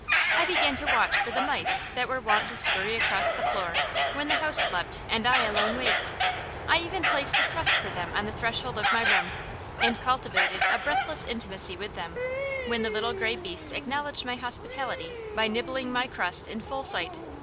I began to watch for the mice that were wont to scurry across the floor when the house slept and I alone waked. I even placed a crust for them on the threshold of my room, and cultivated a breathless intimacy with them, when the little gray beasts acknowledged my hospitality by nibbling my crust in full sight.